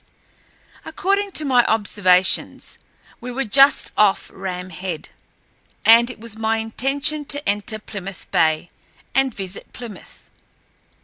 According to my observations, we were just off Ram Head, and it was my intention to enter Plymouth Bay and visit Plymouth.